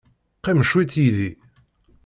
Qqim cwiṭ yid-i.